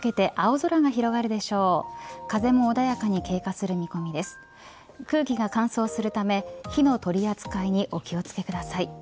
空気が乾燥するため火の取り扱いにお気を付けください。